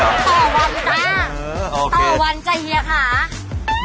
ต่อวันจ้าต่อวันจ้ะเฮียค่ะ